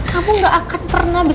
kamu nggak akan melelah ke sinis